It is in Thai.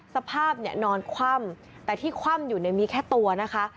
สภาพเนี่ยนอนคว่ำแต่ที่คว่ำอยู่เนี่ยมีแค่ตัวนะคะ